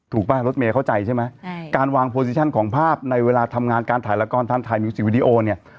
ป่ะรถเมย์เข้าใจใช่ไหมการวางโปรดิชั่นของภาพในเวลาทำงานการถ่ายละครทำถ่ายมิวสิกวิดีโอเนี่ย